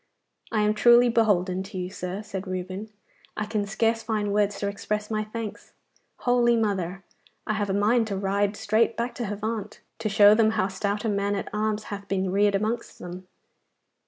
'I am truly beholden to you, sir,' said Reuben; 'I can scarce find words to express my thanks. Holy mother! I have a mind to ride straight back to Havant, to show them how stout a man at arms hath been reared amongst them.